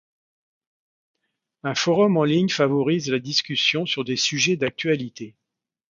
Un forum en ligne favorise la discussion sur des sujets d'actualité.